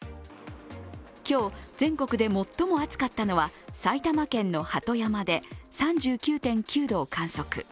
今日、全国で最も暑かったのは埼玉県の鳩山で３９．９度を観測。